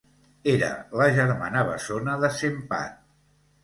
Era la germana bessona de Sempad.